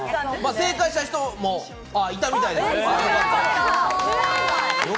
正解した人はいたみたいです。